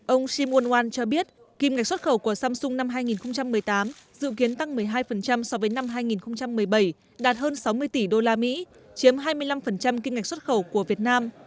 ông simon wan cho biết kim ngạch xuất khẩu của samsung năm hai nghìn một mươi tám dự kiến tăng một mươi hai so với năm hai nghìn một mươi bảy đạt hơn sáu mươi tỷ usd chiếm hai mươi năm kim ngạch xuất khẩu của việt nam